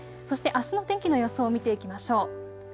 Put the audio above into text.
そしてあすの天気の予想を見ていきましょう。